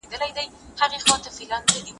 د پوهي په وړاندې هېڅ خنډ نسي درېدلی.